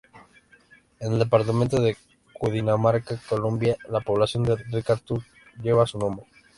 En el departamento de Cundinamarca, Colombia la población de Ricaurte lleva su nombre.